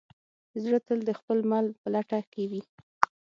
زړه تل د خپل مل په لټه کې وي.